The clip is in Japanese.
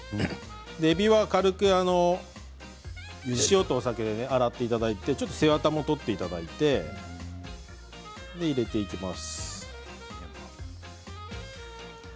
えびは軽く塩とお酒で洗っていただいて背わたも取っていただいて入れていきます。